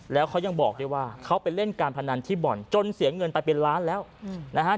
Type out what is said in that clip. แล้วเขายังบอกด้วยว่าเขาไปเล่นการพนันที่บ่อนจนเสียเงินไปเป็นล้านแล้วนะฮะ